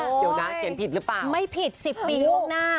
เดี๋ยวนะเขียนผิดหรือเปล่าไม่ผิด๑๐ปีล่วงหน้า